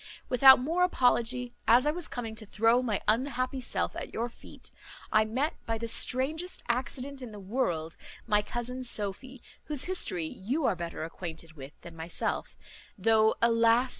"Without more apology, as I was coming to throw my unhappy self at your feet, I met, by the strangest accident in the world, my cousin Sophy, whose history you are better acquainted with than myself, though, alas!